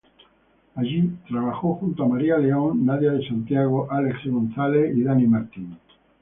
Allí trabajó junto a María León, Nadia de Santiago, Álex González, Dani Martín.